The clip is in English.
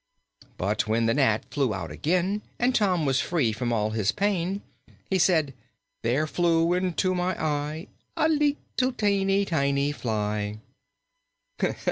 "But when the gnat flew out again And Tom was free from all his pain, He said: 'There flew into my eye A leetle, teenty tiny fly.'"